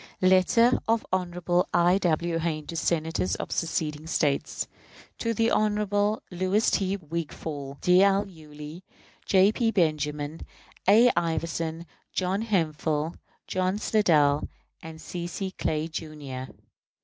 Letter of Hon. I. W. Hayne to Senators of seceding States. To the Honorable Louis T. Wigfall, D. L. Yulee, J. P. Benjamin, A. Iverson, John Hemphill, John Slidell, and C. C. Clay, Jr.